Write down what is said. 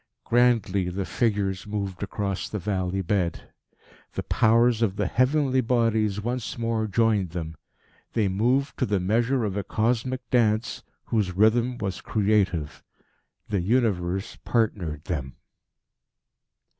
Grandly the figures moved across the valley bed. The powers of the heavenly bodies once more joined them. They moved to the measure of a cosmic dance, whose rhythm was creative. The Universe partnered them.